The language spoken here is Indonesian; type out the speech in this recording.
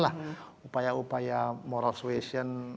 nah itu adalah upaya upaya moral suasion